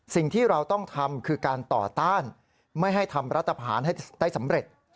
สิ่งที่เราต้องทำคือการต่อต้านไม่ให้ทำรัฐผ่านให้ได้สำเร็จ